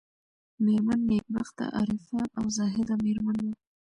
مېرمن نېکبخته عارفه او زاهده مېرمن وه.